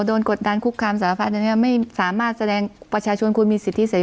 โดนกดดันคุกคามสารฟาสเครื่องไม่สามารถแสดงประชาชนคนมีสิทธิเสร็จ